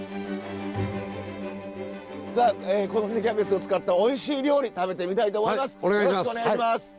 キャベツを使ったおいしい料理食べてみたいと思います。